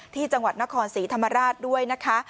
ที่จังหวัดนครศรีธรรมราชด้วยนะคะ